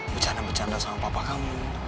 becanda dengan bapak kamu